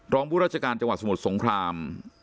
ตรงผู้ราชการจังหวัดสม๕๕๐๐๖